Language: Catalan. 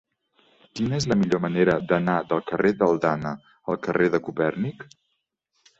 Quina és la millor manera d'anar del carrer d'Aldana al carrer de Copèrnic?